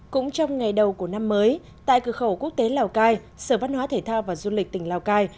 cũng trong ngày đầu của năm mới tại cửa khẩu quốc tế lào cai sở văn hóa thể thao và du lịch tỉnh lào cai